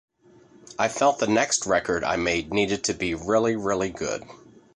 I felt the next record I made needed to be really, really good.